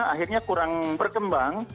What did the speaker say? akhirnya kurang berkembang